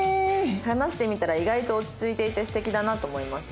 「話してみたら意外と落ち着いていて素敵だなと思いました」